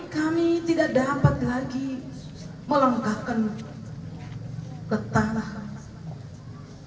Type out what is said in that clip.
kami tidak dapat lagi melengkapkan ketalahan